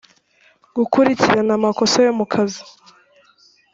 gukurikirana amakosa yo mu kazi